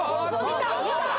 見た！